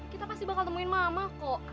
kita pasti bakal temuin mama kok